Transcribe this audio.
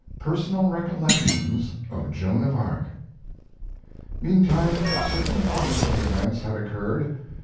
"PERSONAL RECOLLECTIONS OF JOAN OF ARC". Meantime certain publishing events had occurred.